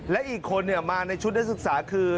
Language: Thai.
และอีกคนมาในชุดนักศึกษาคือ